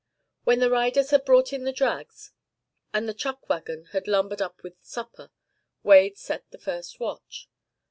When the riders had brought in the drags, and the chuckwagon had lumbered up with supper, Wade set the first watch.